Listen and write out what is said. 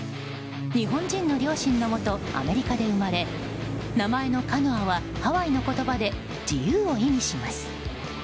日本人の両親のもとアメリカで生まれ名前のカノアはハワイの言葉で自由を意味します。